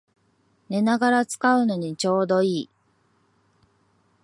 寝ながら使うのにちょうどいい